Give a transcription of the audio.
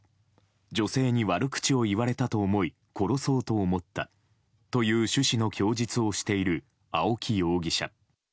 女性に悪口を言われたと思い殺そうと思ったという趣旨の供述をしている青木容疑者。